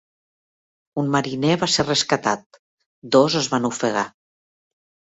Un mariner va ser rescatat; dos es van ofegar.